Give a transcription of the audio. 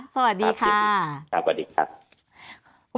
สวัสดีค่ะทราบกว่าดีครับ